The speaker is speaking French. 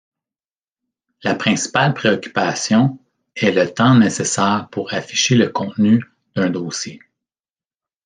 La principale préoccupation est le temps nécessaire pour afficher le contenu d'un dossier.